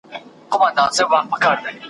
هر یو تریخ ساعت دي خوږ راته عسل کئ